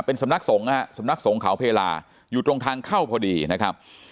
เป็นสำนักสงฆ์นะฮะสำนักสงฆ์เขาเพลาอยู่ตรงทางเข้าพอดีนะครับ